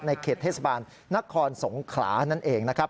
เขตเทศบาลนครสงขลานั่นเองนะครับ